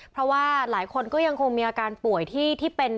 เพราะว่าหลายคนก็ยังคงมีอาการป่วยที่เป็น